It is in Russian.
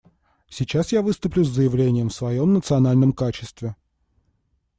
Сейчас я выступлю с заявлением в своем национальном качестве.